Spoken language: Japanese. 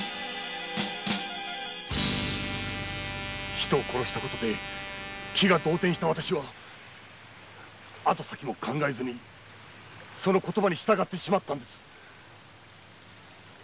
人を殺した事で動転した私は後先も考えずにその言葉に従ってしまったのです。